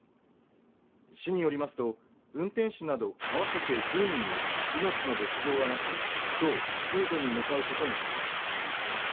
市によりますと運転手など合わせて１０人に命の別状はなくきょう救助に向かうことにしています。